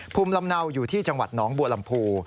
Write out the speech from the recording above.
ภูมิลำเนาอยู่ที่จังหวัดหนองบัวลำพู